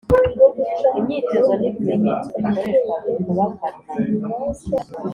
Imyitozo n’ibimenyetso bikoreshwa mu kubafata